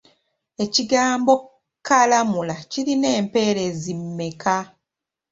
Ekigambo kkalamula kirina empeerezi mmeka?